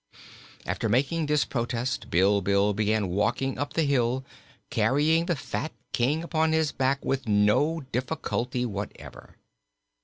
After making this protest Bilbil began walking up the hill, carrying the fat King upon his back with no difficulty whatever.